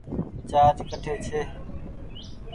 چآرج ڪٺي ڇي ۔